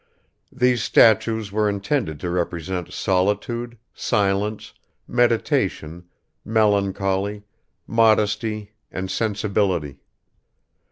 These statues were intended to represent Solitude, Silence, Meditation, Melancholy, Modesty and Sensibility.